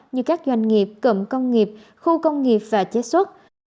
như các doanh nghiệp cụm công nghiệp khu công nghiệp và chế xuất